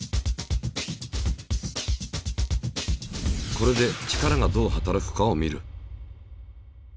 これで力がどう働くかを見る。